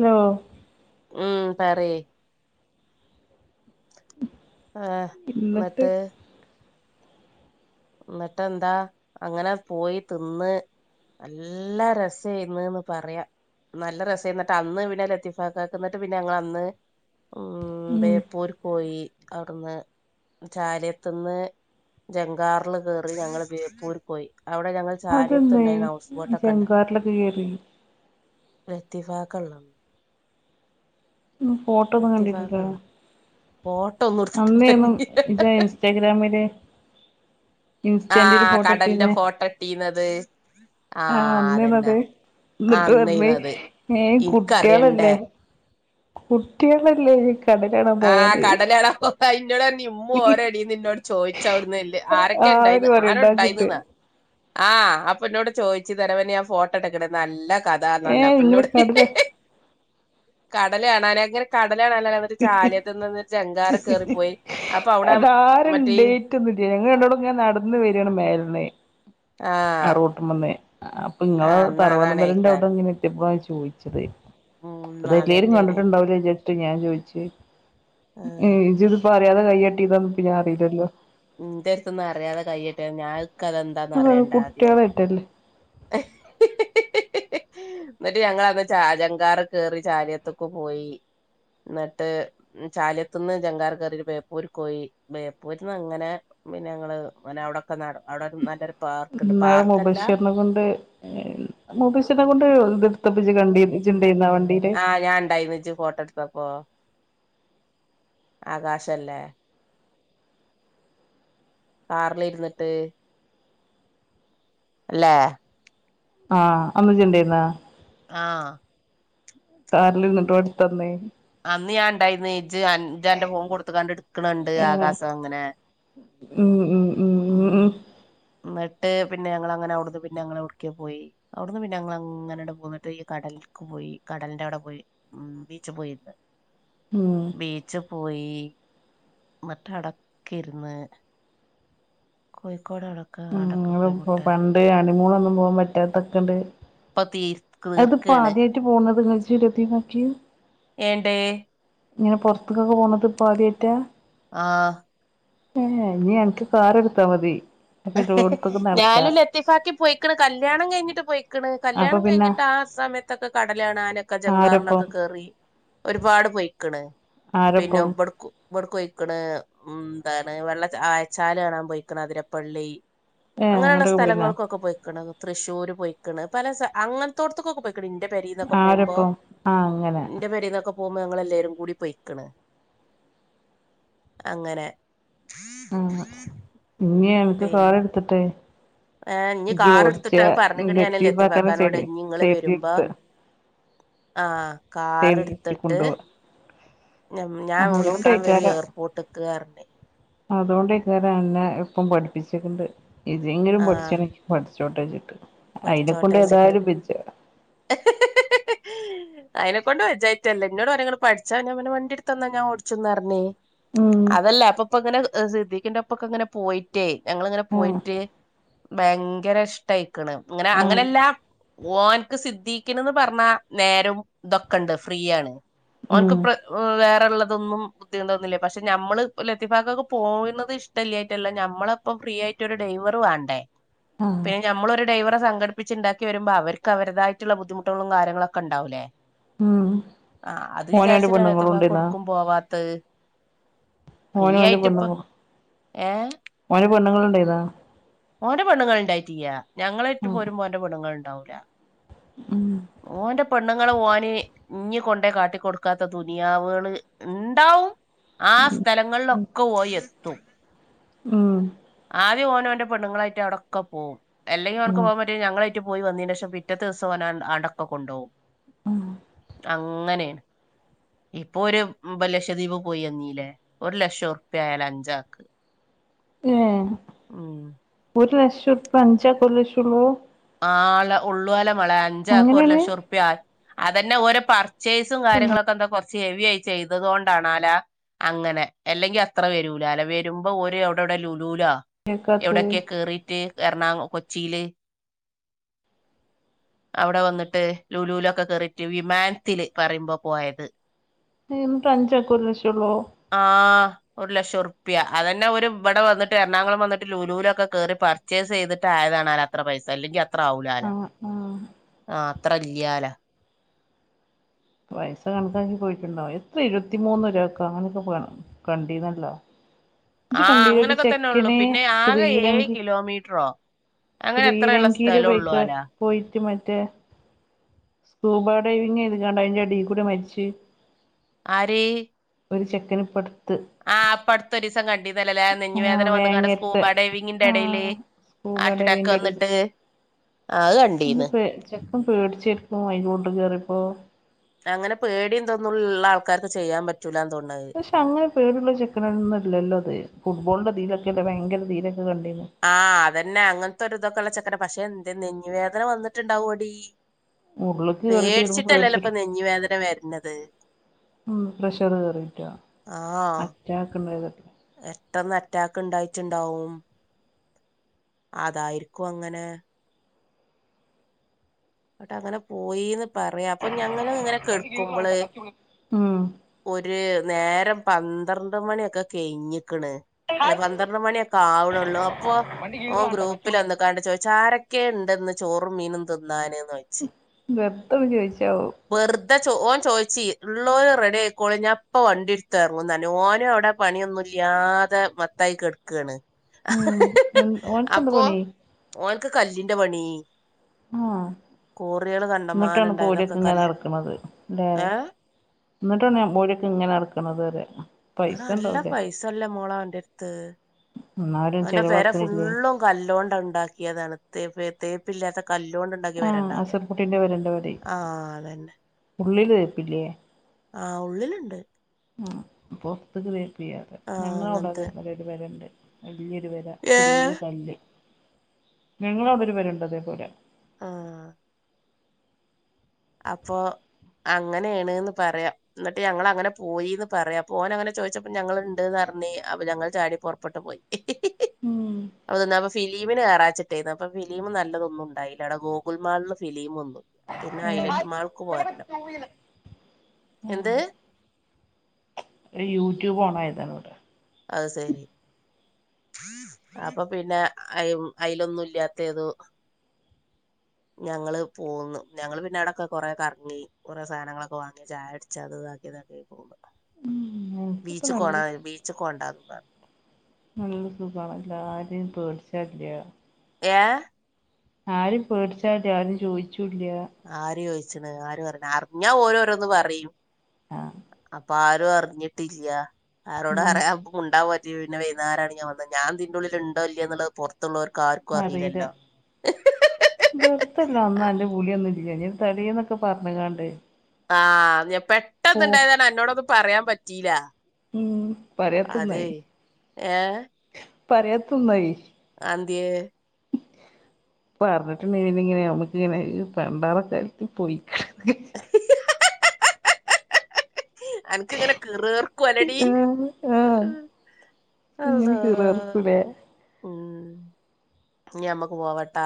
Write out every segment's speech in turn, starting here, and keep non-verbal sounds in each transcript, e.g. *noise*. Hello ഉം പറ്യേ ആഹ് എന്നിട്ട് ന്ന്ട്ട്? ന്ന്ട്ട്ന്താ അങ്ങനെ പോയി തിന്ന്. നല്ല രസേന്ന്ന്ന് പറ്യ. നല്ല രസേ ന്ന്ട്ട് അന്ന് പിന്നെ ലത്തിഫാക്കാക്ക്‌ എന്നിട്ട് പിന്നെ ഞങ്ങൾ അന്ന് ഉം ഉം ബേപ്പൂര്ക്കോയി. അഒട്ന്ന് ചാലിയത്ത്ന്ന് ജൻ കാറ്ൽ കേറി ഞങ്ങൾ ബേപ്പൂർക്കോയി അവടെ ഞങ്ങൾ അതന്നെ ചാലിയത്ത്ണ്ടായിന്നു ഹൗസ് ബോട്ടൊക്കെണ്ട് ചെങ്കാറിലൊക്കെ കേറി. ലത്തീഫാക്കള്ളം ഉം ഫോട്ടോ ഒന്നും കണ്ടിട്ടില്ലോ? ലത്തീഫാക്കള്ള ഫോട്ടോ ഒന്നും ഇജ *unintelligible* ഇൻസ്റ്റാഗ്രാമില് ഇൻസ്റ്റന്റില് ആഹ് ഫോട്ടോ കടൽന്റെ ഫോട്ടോ ഇട്ടീന്നത്. ആഹ് അമ്മേണത്? ന്ന്ട്ട് പർഞ്ഞ് അന്നേര്ന്നത് ഏഹ് ഇനിക്കറിയണ്ടേ കുട്ട്യളല്ലേ. കുട്ട്യളല്ലേ *unintelligible* ആഹ് കടലാണ പോവാ ഇന്നോട ർഞ്ഞ് ഇമ്മു ഓരടേന്ന് ന്നോട് ചോയിച്ച അഒട്ന്ന് ൽ ആരൊക്കെ ആര് ണ്ടായിന്ന് ആരോ ണ്ടായിന്ന് പറയണ്ടാച്ചിട്ട് ന്നാ ആഹ് അപ്പ ന്നോട് ചോയിച്ച് തരവന്യ ഫോ ടട്ടക്ക്ണ് നല്ല കഥാ ന്ന് ഏ ർഞ്ഞപ്പ നിങ്ങള് ന്നോട് കടല് കടലാണാന ങ്ങനെ *unintelligible* ചാലിയത്ത്ന്ന് ന് ജംഗാർ കേറിപ്പോയി അപ്പൊ അവടെ മറ്റേ *unintelligible* ഞങ്ങള് രണ്ടാളും ങ്ങനെ നട്ന്ന് വരാണ് മേൽന്ന് ആ ആഹ് റൂട്ട്മന്ന് അപ്പ ഇങ്ങള് ആഹ് എന്നാ തറവാട്മ്പരന്റെ അഒടെ അതാണേക്കാരം ങ്ങനെ യിപ്പ ചോയ്ച്ചത് ഉം *unintelligible* കണ്ട്ട്ട്ണ്ടാവുലേ നാളേറ്റേണേക്കാരം ചാര്ച്ച്ട്ട് ഞാൻ ചോയ്ച്ച് ആഹ് ഏഹ് ഇജ് ത് പ്പോ അറിയാതെ കയ്യട്ടിതാ ന്ന് പ്പൊ ഞാറീലല്ലോ. ഇൻ്റട്ത്ത്ന്ന് അറിയാതെ കൈയ്യട്ട്യ ഞാ *unintelligible* കുട്ട്യളായിട്ടല്ലേ. ന്ന്ട്ട് ഞങ്ങള് അഒട്ന്ന് ചാലിയങ്കാർ കേറി ചാലിയത്തൊക്കെ പോയി. ന്ന്ട്ട് ചാലിയത്ത്ന്ന് ജങ്കാർ കേറി ബേപ്പൂര്ക്കോയി ബേപ്പൂര് അങ്ങനെ പിന്നെ ഞങ്ങള് പന്നെ അഒടക്കെ നട അഒടെ നല്ലരു ന്നാൾ മുബഷിർനെ കൊണ്ട് മുബഷിർനെ കൊണ്ട് ഇത്ട്ത്തപ്പോ ജ് കണ്ടി ഇജ്ണ്ടേ ആ വണ്ടീല്. ആഹ് ഞാൻ ണ്ടായിന്ന് ജ് ഫോട്ടോ ട്ത്തപ്പോ. ആകാശല്ലേ? കാർല് ഇര്ന്ന്ട്ട് ല്ലേ ആഹ് അന്ന് ജ്ണ്ടേന്ന? ആഹ് കാർല്ര്ന്ന്ട്ട് ഓൻ ട്ത്തന്ന്. അന്ന് ഞാ ണ്ടായിന്ന് ജ് അൻ ജ് അൻ്റെ ഫോൺ കൊടുത്ത കാണ്ട് എട്ക്ക്ണണ്ട് ആഹ് ആകാസം ങ്ങനെ. ഉം ഉം ഉം *unintelligible* ന്ന്ട്ട് പിന്നെ ഞങ്ങള അങ്ങനെ അഒട്ന്ന് പിന്നെ ഞങ്ങള ട്ക്കെ പോയി? അഒട്ന്ന് പിന്നെ ഞങ്ങള ങ്ങനെ ണ്ട് പോന്ന്ട്ട് ഈ കടൽക്ക് പോയി കടൽന്റെ അവടെ പോയി ഉം ബീച്ച് പോയി. ഇരുന്ന് ഉം ബീച്ച് പോയി മറ്റടക്ക ഇര്ന്ന് കോഴിക്കോടാണോ? ഉം ങ്ങൾ പ്പൊ പണ്ടേ ഹണിമൂളൊന്നും പോവാൻ പറ്റാത്തൊക്കെണ്ട് പത്തീര് അത്പ്പോ ആദ്യായിട്ട് പോകുന്നത് *unintelligible* ഏണ്ട്? ഇങ്ങനെ പൊർത്ത്ക്കൊക്കെ പോകുന്നത് പ്പോ ആദ്യയിട്ടാ? ആഹ് ഏ ഹേ ഇനി ഞങ്ങക്ക് കാർ എടുത്താ മതി പ്പം എല്ലോട്ത്ത് ഞാനും ലത്തിഫാക്കി പോയിക്ക്ണ് കല്യാണം കഴിഞ്ഞിട്ട് പോയിക്ക്ണ് അപ്പൊ കല്യാണം പിന്നെ കഴിഞ്ഞിട്ട് ആ സമ ത്തൊക്കെ കടലാണാനൊക്കെ ആരൊപ്പം ജംങ്കാറിലൊക്കെ കേറി ഒരുപാട് പൊയിക്ക്ണ് പിന്നെ ആരൊപ്പം ഇവട്ക്കും ഇവിട് ക്കൊയിക്ക്ണ് മ് എന്താണ് വെള്ള ച ആയ ചാല് കാണാൻ പോയിക്ക്ണ് അതിരപ്പള്ളി ഏഹ് അങ്ങനെയുള്ള അങ്ങട്ടൊക്കെ പോയിന്നാ സ്ഥലങ്ങൾക്കൊക്കെ പോയിക്ക്ണ് തൃശ്ശൂര് പോയിക്ക്ണ് പല സ അങ്ങന് ത്തോട്ത്ത്ക്ക്ക്കെ പോയി ക്ക്ണ് ഇന്റെ പെരീന്നൊക്കെ പോകുമ്പോ ആരൊപ്പം ആഹ് അങ്ങനെ ൻ്റെ പെരീന്നൊക്കെ പോകുമ്പോ ഞങ്ങൾ എല്ലരും കൂടി പൊയ്ക്കണ് അങ്ങനെ അങ്ങ ഇഞ് ഉം ഞങ്ങക്ക് കാർ പിന്നെ എടുത്തിട്ടെ ഏഹ് ഇഞ്ഞ് കാർ ഇജ്ജോടിച്ച എടുത്തിട്ട് അത് പറഞ്ഞ്ക്ക്ണ് ഞാന് ലത്തിഫാക്കാനെ ലത്തീഫക്കാനോട് സൈഡ് ഇഞ്ഞ് ഇങ്ങള് സൈഡ് ല് വരുമ്പോ ര്ത്താ ആഹ് കാർ സൈഡിലിര്ത്തി ട്ത്ത്ട്ട് കൊണ്ടോവാ ഞമ് ഞാ ആഹ് വിളിക്കാൻ വരും അതോണ്ടേക്കാരം എയർപോർട്ട് ക്ക് റ്ഞ്ഞ് അതോണ്ടേകാരം അന്നെ ഇപ്പം പഠിപ്പിച്ചിക്ക്ണ്ത് ഇജ്ങ്കിലും പഠിച്ച് ആഹ് ണേ പഠിച്ചോട്ടെ ച്ചിട്ട് അയിനെ കൊണ്ട്ഏതായാലും ബെജ്ജ *unintelligible* അയിനെക്കൊണ്ട് വെജായിട്ടല്ലേ ഇന്നോട് പറഞ്ഞ് ങ്ങള് പഠിച്ചാ ഞാ പറ്ഞ്ഞ് വണ്ടി ടുത്ത് ന്നാ ഞാ ഓടിച്ചും ന്ന് റ്ഞ്ഞ് അതല്ല ഇപ്പ പ്പ ഇങ്ങനെ എ സിദ്ദീഖിന്റ പ്പക്കെ ഇങ്ങനെ പോയിട്ടെ ഞങ്ങളിങ്ങനെ ആഹ് പോയിട്ട് ഭയങ്കര ഇഷ്ടായിക്ക്ണ് ഇങ്ങനെ ആഹ് അങ്ങനല്ലാ ഓൻക്ക് സിദ്ധിക്ക്ന് പറഞ്ഞ നേരും ഇതൊക്കെണ്ട് ഫ്രീയാണ് ഓൻക്ക് ഉം പ്ര വേറെള്ളതൊന്നും ബുദ്ധി തൊന്നുന്നില്ലേ പക്ഷെനമ്മള് ലത്തിഫാക്കാക്ക്പോണത് ഇഷ്ടല്ലായിട്ടല്ല നമ്മളെ പ്പം ഫ്രീ ആയിട്ടൊരു ഡ്രൈവർ വാണ്ടേ ആഹ് പിന്നെ നമ്മളൊര് ഡൈവറെ സംഘടിപ്പിച്ച് ണ്ടാക്കിവരുമ്പം അവർക്ക് അവരതായിട്ട്ള്ള ബുദ്ധിമുട്ടുകളും കാര്യങ്ങളൊക്കെ ണ്ടാവൂലേ ഉം ആഹ് അത് ഓനും ഓന്റെ വിചാരിച്ചിട്ടാ ലത്തീഫാക്ക പെണ്ണുങ്ങളുണ്ടേന്നാ ഒടുക്കും പോവാത്തെ ഫ്രീ ഓനും ഓന്റെ ആയിട്ട് പ്പം പെണ്ണുങ്ങളും ഏഹ് ഓന് പെണ്ണ്ങ്ങള് ഇണ്ടേന്നോ ഓന്റെ പെണ്ണ്ങ്ങൾ ഇണ്ടായിട്ടില്ല ഞങ്ങളെയിട്ട് ആഹ് പോരുമ്പം ഓന്റെ പെണ്ണ്ങ്ങൾ ഇണ്ടാവൂല്ല ഉം ഓന്റെ പെണ്ണ്ങ്ങൾ ഓന് ഇഞ്ഞ്കൊണ്ടേയി കാട്ടിക്കൊടുക്കാത്ത ദുനിയാവേള് ഇണ്ടാവും ആ സ്ഥലങ്ങളിലൊക്കെ ഓൻ എത്തും ഉം ആദ്യം ഓന്‌ ഓന്റെ പെണ്ണുങ്ങളായിറ്റ് അടൊക്കെ പോവും അല്ലെങ്കി ഓൻക്ക് ആഹ് പോകാൻ ഞങ്ങളായിട്ട് പോയി വന്നിനേഷം പിറ്റേത്ത ദിവസം ഓന് അടൊക്കെ കൊണ്ടോകും അങ്ങനെ ഇപ്പൊ ഓര് ലക്ഷദ്വീപ് പോയി എന്നീലേ ഒരു ലക്ഷം ഉറുപ്പ്യ ആയാലൊ അഞ്ചാക്ക് *inaudible* എഹ് ഉം ഒരു ലക്ഷം ഉറുപ്യ അഞ്ചാക്ക് ഒരു ലക്ഷംള്ളു ആളെ ഉള്ളുലെ മാളെ അഞ്ചാക്ക്ഒരു അങ്ങനേണ് ലക്ഷം ഉറുപ്യ അതന്നെ ഓര് പറ ചേയ്സും ഇതെന്താ കാര്യങ്ങളൊക്കെ കൊറച്ച് ഹെവി ആയി ചെയ്തതോണ്ടാണാലാ അങ്ങനെ അല്ലെങ്കി അത്ര വരൂലാ ലോ വരുമ്പോ ഓര് അവിടെ എവിടെ ലൂലൂലോ കേക്കാത്തെ എവിടൊക്കെ കേറിട്ട് എറണാകു കൊച്ചില് അവിടെ വന്നിട്ട് ലുലൂലൊക്കെ കേറിട്ട് വിമാനത്തിൽ പറി മ്പം പോയത്. എഹ് എന്നിട്ട് അഞ്ചാക്കൊരു ലക്ഷളളൂ ആഹ് ഒരു ലക്ഷം ഉറുപ്യ അതന്നെ ഒരു ഇവിടെ വന്നിട്ട് എറണാകുളം വന്നിട്ട് ലലൂലൊക്കെ കേറി പ ർച്ചേ സ് ചെയ്തിട്ട് ആയതാണാല അത്ര പൈസ അല്ലെങ്കിൽ അത്ര ആവൂലലോ ആഹ് ആഹ് ആഹ് അത്ര ഇല്ലാല പൈസ കണക്കാക്കി പോയിട്ട്ണ്ടാവുംഎത്ത ഇരുത്തി മൂന്ന് ര്ക്കെ അങ്ങനെയൊക്കെ കണ്ടീന്നല്ലോ ഇജി ആ കണ്ടീനൊ ര് അങ്ങനൊക്കെ തന്നെ ചെക്ക ഉള്ളു ന് പിന്നെ ആകെ ഏഴ് ശ്രീലങ്കി കിലോമീറ്ററോ അങ്ങനെ എത്രയുള്ള ശ്രീലങ്കീല് സ്ഥലമുള്ളൂ പോയിക്കാ അല പോയിറ്റ് മറ്റേ സ്കൂബ ഡൈവിംഗ് യ്ത് കാണ്ട് അയിന്റെ എ ടീ കൂടെ മരിച്ച് ആര്? ഒരു ചെക്കന് ഇപ്പട്ത്ത് ആഹ്ഇപ്പട്ത്തൊരീസംകണ്ടീന്നല്ല ലേ ആ നെഞ് ആഹ് വേദന വന്ന്കാണ്ട് വേങ്ങരത്തെ സ്കൂബ ഡൈവിങ്ങിന്റെ എടേല് ആഹ് സ്കൂബ ആട്ട ഡാക്ക് വന്നിട്ട് ആ, അത് എന്റെ കണ്ടീന്ന് പേ ചെക്കൻ പേടിച്ചെരിക്കും അയിന്റെ ഉള്കേറിപ്പോ അങ്ങനെ പേടിം തൊന്നുള്ള ആൾക്കാർക്ക് ചെയ്യാൻ പറ്റൂലാന്ന് തോൺണത് പക്ഷെഅങ്ങനെപേടി ഉള്ളചെക്കനൊന്നുംഅല്ലല്ലോഅത്. ഫുട്ബോളിന്റെ തീലൊക്കെ അല്ലേ ഭയങ്കര തീലൊക്കെ കണ്ടീനെ ആഹ് അതന്നെ, അങ്ങൻത്തൊരു തൊക്കെള്ള ചെക്കനാ, പക്ഷെ ന്തേ നെഞ് വേദന വന്നിട്ടുണ്ടാവൊടി ഉള്ള്ക്ക് കേറിയപ്പോ ചെലപ്പോ പേടിച്ചിട്ടല്ലല്ലോപ്പ പേടിച്ചിട്ടും നെഞ്ഞ് വേദന വര്ന്നത് ഉം പ്രഷറ് കേറിയിറ്റൊ അറ്റാക്കണ്ടത് പെട്ടന്ന് അറ്റാക്ക് ഇണ്ടായിറ്റ്ണ്ടാവും അതായിരിക്കുഅങ്ങനെ ന്നട്ടങ്ങനെ പോയിന്ന് പറയാ. പ്പ ഞങ്ങളങ്ങനെ കെട്കുമ്പ്ള് ഉം ഒര് നേരം പന്ത്രണ്ട് മണിയൊക്കെ കെയിഞ്ഞ് ക്ക്ണ്. അല്ല പന്ത്രണ്ട്മണിയൊക്കെ ആവ്ണൊള്ളൂ അപ്പൊ, വണ്ടി ഓൻ കീറലാണ്‌ട്ടാ ക്ലച്ച് ഗ്രൂപ്പില് പിടി വന്ന്കാണ്ട് ചോയിച്ച്, ആരക്കെണ്ട്ന്ന് ചോറും മീനും തിന്നാന്ന്ന് വെർതെന്ന് ചോയിച്ചാവും വെർതെ ചോ ഓൻ ചോയിച്ചി ഇള്ളോല് റെഡിയായ്ക്കോളി ഞാപ്പ വണ്ടിട്ത്തെർങ്ങുംന്നർഞ്ഞ് ഓനു അവിടെ പണിയൊന്നുല്ലാതെ മത്തായി കെടക്കാണ് ഉം എ ഓൻക്കെന്ത പണി ഓൻക്ക് കല്ലിന്റെ പണി ആഹ് കോറിയേള് കണ്ടമാനം ഇണ്ടായിന്നൊക്കെ ന്നിട്ടാണ്പ്പോരൊക്കെങ്ങ കല്ല് നടക്ക് ണത് ല്ലേ ഏഹ് ന്നട്ടണ് ഞമ്മ ഓലൊക്കെ ഇങ്ങനെ നടക്ക്ണത് റ്യ ആഹാല്ല പൈസല്ല മോളേ ഓന്റെട്ത്ത് എന്നാലും ഓന്റെ പെര ചെലവാക്കണില്ലേ ഫുള്ളു കല്ലോണ്ടണ്ടാക്കിയതാണ്. തേപ്പ തേപ്പ്ല്ലാത്ത കല്ലോ ണ്ട് ആഹ് അസർപുട്ടീൻ്റെ പെരൻ്റെ മാതിരി അതന്നെ ഉള്ളില് തേപ്പില്ലേ ആഹ് ഉള്ളില്ണ്ട് ആഹ് പൊർത്ത്ക്ക് തേപ്പില്യാതെ, ആ ഞങ്ങളവിട അങ്ങനത്തെ അതെ ഒരു പെരണ്ട് വല്യൊരു പെര ര ഏ ഫുള്ള് കല്ല്, ഞങ്ങളവിടെരു പെരണ്ട് തേ പോലെ ആഹ് അപ്പൊ അങ്ങനേണ്ന്ന് പറയാ ന്നട്ട് ഞങ്ങളങ്ങനെ പോയിന്ന് പറയാ. അപ്പോനങ്ങന ചോയ്ച്ചപ്പോ ഞങ്ങള്ണ്ട്ന്നർഞ്. അപ്പ ഞങ്ങൾ ചാടി പൊറ പ്പെട്ട് പോയി *unintelligible* ഉം ഫിലിമിന് കേറാച്ചിട്ടേന്ന്, അപ്പ ഫിലിം നല്ലതൊന്നുംണ്ടായില. അവിടെ ഗോഗുൽ മാള്ല് ഫിലിമൊന്നും പിന്നെ ഏഹ് ഹെലറ്റുമാൾക്ക് പോര്ണം എന്ത്? അത് യൂട്യൂബ് ഓണയതാണ് വടെ അഹ് സെരി അപ്പൊ പിന്നെ, അയ് അയ്ലൊന്നുല്ലാത്തേതു ഞങ്ങള് പോന്ന്. ഞങ്ങള് പിന്നെ അവടൊക്കെ കൊറെ കർങ്ങി കൊറേ സാനങ്ങളക്കൊ വാങ്ങി. ചായുട്ച്ച് അത് താക്കി ഇതാക്കി പോന്ന് ഉം എനിക്കിപ്പോ ബീച്ചകോണ നല്ല ബീച്ചകോണ്ടാന്നും പർഞ്ഞ് നല്ല സുഖാണല്ലാര്യു പേട്ച്ചാല്യാ ഏഹ് ആരുംപേട്ച്ചാല്യാ ആരും ചോയ്ച്ചുല്യാ ആര് ചോയ്ച്ച്ണ്, ആര് പറിണ് അർഞ്ഞാ ഓലോരോന്ന്പറ്യും ആഹ് അപ്പാരും അർഞ്ഞിട്ടില്യ. ഉം ആരോടറയാൻ മുണ്ടാപറ്റി പിന്നെ വെയ്ന്നാരാണ് ഞാൻ വന്നെ ഞാതിന്റെ ഉള്ളിൽ ഇണ്ടോ ഇല്ലേന്ന്ള്ളത് പൊറത്തുള്ളൊർക്ക് ആർക്കും അറീല അറിയില്ലല്ലോ വെറുത്തല്ലോ അന്നാ എന്റെ വിളിയൊന്നുല്ല ഞൻ തലേന്നൊക്കെ പറഞ്ഞ്കാണ്ട് ആഹ് ഞാൻ ഓഹ് പെട്ടന്നുണ്ടായതാണ് അന്നോടൊന്നും പറയാൻ പറ്റീല്ല ഉം പറയാത്തെ നന്നായി ഏ പറയാത്തെ നന്നായി ആഹ് ന്തിയേ പറഞ്ഞിട്ടണ്ടനി ഇങ്ങനെ നമ്മക്ക് ഇങ്ങനെ *unintelligible* അനക്ക് ഇങ്ങനെ കിറ് കിറുക്കും അല്ലെടീ ആഹ് ആഹ് അല്ലാ ഇങ്ങനെ കീറി പറിക്കൂലേ ഉം ഞമ്മക്ക് പോവാട്ടാ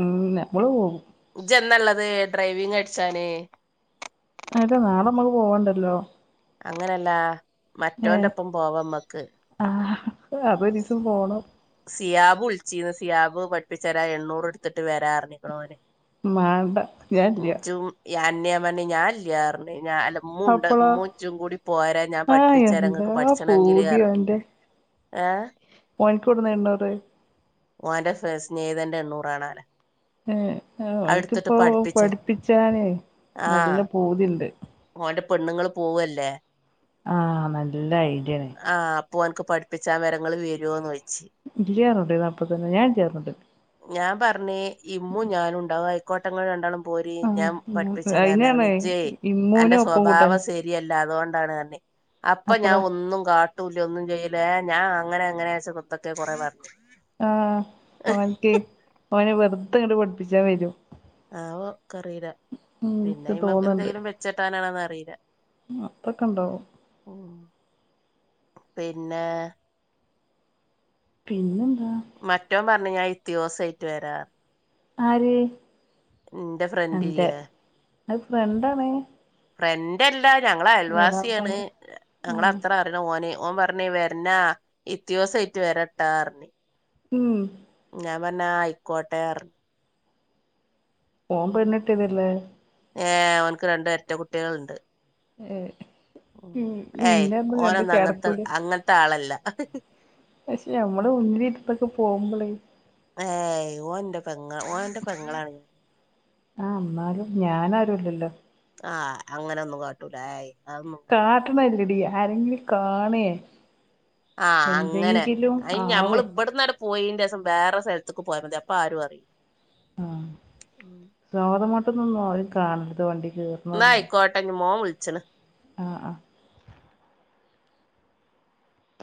ഉം നമ്മള് പോകും. ഇജ്ജ് എന്നള്ളത് ഡ്രൈവിങ് പടിച്ചാന് അതാ നാളെ നമ്മക്ക് പോവെണ്ടല്ലോ. അങ്ങനല്ലാ മറ്റോന്റൊപ്പം പോവാമ്മക്ക്. ആഹ് അതൊരിസം പോണം. സിയാബ് വിളിച്ചീനു സിയാബ് പഠിപ്പിച്ചരാ എണ്ണൂറ് എടുത്തിട്ട് വെരാന്നറിഞ്ഞിക്കണോ ഓന്. മാണ്ട. ഞാൻല്ല ജ്ജും യെന്നെ ഞാ ഞാൻല്ലന്നർഞ് ഉമ്മുണ്ട് അപ്പളോ മ്മൂ ജ്ജും കൂടി പോര് ഞാൻ ആഹ് എന്താ പഠിപ്പിച്ചരാങ്ങക്ക് പൂതി പഠിച്ചണങ്കില്ന്നർഞ്ഞ്. ഏഹ് ഓന്ക്കെവിടുന്ന എണ്ണൂറ്? ഓന്റെ സ്നേഹിതന്റെ എണ്ണൂറാണോലേ. ഏഹ് എനക്ക്പ്പോ പഠിപ്പിച്ചരാ പഠിപ്പിച്ചാന് നല്ല ആഹ് പൂതിണ്ട്. ഓന്റെ പെണ്ണുങ്ങൾ പോവല്ലേ? ആഹ് നല്ല ഐഡിയാണ്. ആഹ് അപ്പൊ ഓൻക്ക് പഠിപ്പിച്ച വെരങ്ങെള് വരോന്നോയ്ച്ച്. ഇല്ലാർഞ്ഞൂടായ്നൊ അപ്പ തന്നെ ഞാൻ ചേർന്ന്ട്ട് ഞാൻ പറഞ്ഞേ ഇമ്മും ഞാനും ഉണ്ടാവും ആയിക്കോട്ടങ്ങളണ്ടാളും, പോരി ഞാൻ ആഹ് പഠിപ്പിച്ചരാർഞ്ഞ് അയിനാണ് അങ്ങന ജെ അന്റെ ഇമ്മൂനും ഒപ്പം കൂട്ടാന് സ്വഭാവം ശെ രിയ്യല്ലാ അതുകൊണ്ടാണ്ന്നർഞ് അപ്പൊ ഞാൻ അപ്പളാ ഒന്നും കാ ട്ടൂല്ല ഒന്നും ചെയ്ല ഏഹ് ഞാൻ അങ്ങനെ അങ്ങനൊത്തൊക്കെ കുറേ പർഞ്ഞ്. ആഹ് അവൻക്ക് ഓന് വെറുതെ ഇങ്ങട്ട് പഠിപ്പിച്ചാ വരും. ആവോ. ക്കറിയില ഉം പിന്നെ ഇക്ക് ഈമ എന്തെങ്കിലും വെച്ചെട്ടാനാണോന്ന് അറിയില്ല. അത്തൊക്കെണ്ടാവോ? പിന്നേ പിന്നെന്താ? മറ്റോൻ പറഞ്ഞു ഞാൻ ഇത്തിയോസായിട്ട് വരാ. ആര്? ന്റെ ഫ്രണ്ട് അന്റെ ല്ല്യേ. അത് ഫ്രണ്ടാണ് ഫ്രണ്ടല്ല ഞങ്ങളെ അയൽവാസിയാണ് എളാപ്പാന്റെ ഞങ്ങളെ ആഹ് അത്ര ഓനെ ഓൻ പറഞ്ഞേ വരന്നാ ഇത്യോസായിട്ട് വരട്ടാർഞ്ഞ്. ഉം ഞാൻ പറഞ്ഞ് ആഹ് ആയിക്കോട്ടെർഞ്ഞ്. ഓൻ പെണ്ണെട്ടിയതല്ലേ? ഏഹ് ഓൻക്ക് രണ്ടെരട്ട കുട്ടികള്ണ്ട്. ഏഹ്. ഉം ഏയ് ഇന്നെന്നും കണ്ട് ഓനൊന്നും അങ്ങൻത്തെ ചടക്കൂല അങ്ങൻത്തെ ആളല്ല. പക്ഷെ നമ്മളെ മുന്നിലിര്ത്യോക്കെ പോകുമ്പോളേ. ഏയ് ഓൻന്റെ പെങ്ങ ഓന്റെ പെങ്ങളാണ് ഞാൻ. ആഹ് എന്നാലും ഞാൻ ആരുവല്ലല്ലോ. ആഹ് അങ്ങനെ ഒന്നും കാട്ടൂല ഏയ്‌ അതൊന്നു കാട്ടണല്ലടി ആരെങ്കിലും കാണേ. ആഹ് അങ്ങനെ എന്തെങ്കിലും അയ്ന് ഞമ്മൾ ആവേ ബ്ട്ന്നാട്ട് പോയിന്റെസം വേറെ സ്ഥലത്തക്ക് പോയാ മതി അപ്പ ആരും അറിയ് ആഹ് സോറമാട്ട്ന്നൊന്നും ആരും കാണര്ത് വണ്ടി കേർ ന്നായികോട്ടഞ്ഞ മോൻ വിളിച്ചണ്. ആഹ് ആഹ്.